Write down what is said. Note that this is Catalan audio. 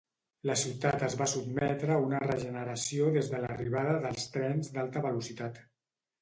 La ciutat es va sotmetre a una regeneració des de l’arribada dels trens d’alta velocitat.